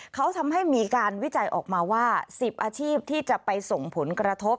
เขาทำให้มีการวิจัยออกมาว่า๑๐อาชีพที่จะไปส่งผลกระทบ